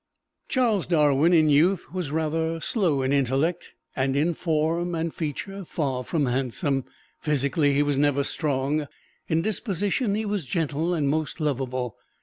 Charles Darwin in youth was rather slow in intellect, and in form and feature far from handsome. Physically he was never strong. In disposition he was gentle and most lovable.